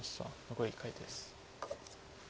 残り１回です。